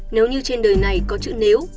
nếu như trên đời này có chữ nếu